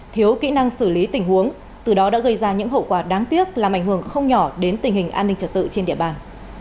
thiếu kỹ năng xử lý tình huống từ đó đã gây ra những hậu quả đáng tiếc làm ảnh hưởng không nhỏ đến tình hình an ninh trật tự trên địa bàn